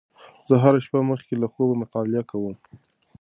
زه هره شپه مخکې له خوبه مطالعه کوم.